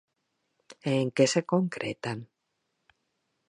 E, en que se concretan?